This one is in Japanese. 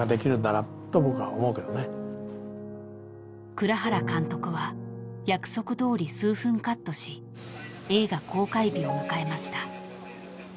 ［蔵原監督は約束どおり数分カットし映画公開日を迎えました］